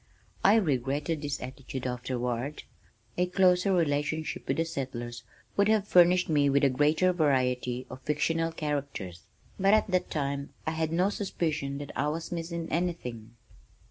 I regretted this attitude afterward. A closer relationship with the settlers would have furnished me with a greater variety of fictional characters, but at the time I had no suspicion that I was missing anything.